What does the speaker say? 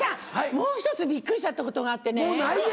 もう１つビックリしちゃったことがあってね。